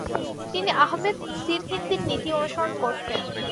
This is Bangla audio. তিনি আহমেদ সিরহিন্দির নীতি অনুসরণ করতেন।